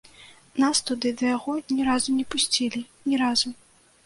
Нас туды да яго ні разу не пусцілі, ні разу.